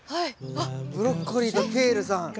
ブロッコリーとケールさん。